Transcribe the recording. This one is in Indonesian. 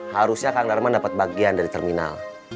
harusnya kang darman dapat bagian dari terminal